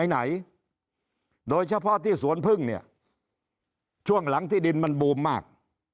ไหนโดยเฉพาะที่สวนพึ่งเนี่ยช่วงหลังที่ดินมันบูมมาก